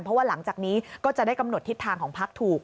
เพราะว่าหลังจากนี้ก็จะได้กำหนดทิศทางของพักถูก